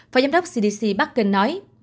phó giám đốc cdc bắc kinh nói